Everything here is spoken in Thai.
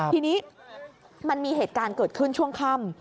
ทีนี้มันมีเหตุการณ์เกิดขึ้นช่วงค่ำ